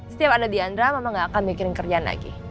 setiap ada diandra mama nggak akan mikirin kerjaan lagi